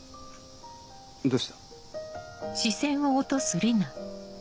どうした？